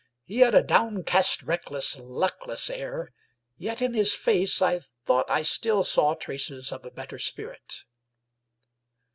He had a downcast, reckless, luckless air, yet in his face I thought I still saw traces of a better spirit.